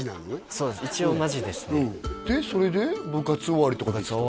そうです一応マジですねでそれで部活終わりとかに行ってたの？